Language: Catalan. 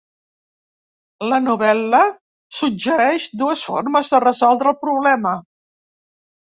La novel·la suggereix dues formes de resoldre el problema.